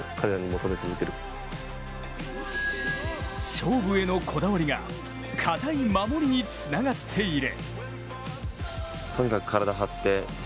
勝負へのこだわりが堅い守りにつながっている。